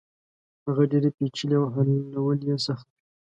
هغه ډېرې پېچلې او حلول يې سخت وي.